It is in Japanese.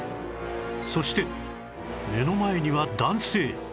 そして目の前には男性